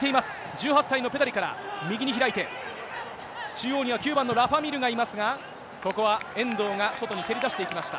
１８歳のペドリから、右に開いて、中央には９番のラファ・ミールがいますが、ここは遠藤が外に蹴り出していきました。